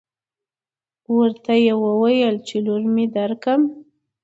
ورته يې وويل چې لور مې درکم.